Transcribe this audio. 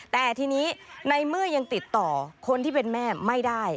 แต่ทีนี้ในเมื่อยังติดต่อคนที่เป็นแม่ไม่ได้